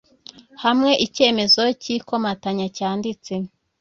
hamwe icyemezo cy ikomatanya cyanditse